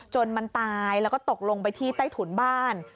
จนมันตายแล้วก็ตกลงไปที่ใต้ถุนบ้าน